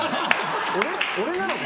俺なのか？